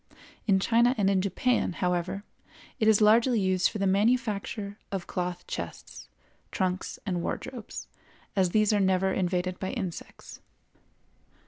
In China and in Japan, however, it is largely used for the manufacture of cloth chests, trunks and wardrobes, as these are never invaded by insects.